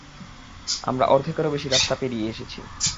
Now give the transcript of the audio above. আমরা অর্ধেকেরও বেশি রাস্তা পেরিয়ে এসেছি!